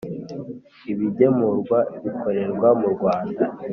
ibigemurwa bikorerwa mu Rwanda